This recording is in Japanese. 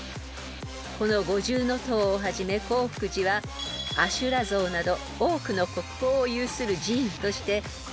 ［この五重塔をはじめ興福寺は阿修羅像など多くの国宝を有する寺院として］